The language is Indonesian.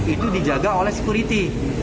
itu dijaga oleh sekuriti